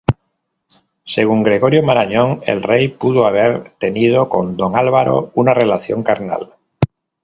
Según Gregorio Marañón, el rey pudo haber tenido con don Álvaro una relación carnal.